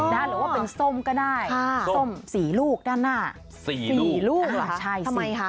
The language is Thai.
หรือว่าเป็นส้มก็ได้ส้มสี่ลูกด้านหน้าสี่ลูกอ่ะใช่ทำไมคะ